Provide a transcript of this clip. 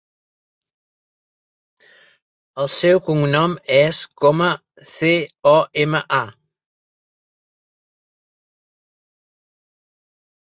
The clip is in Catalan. El seu cognom és Coma: ce, o, ema, a.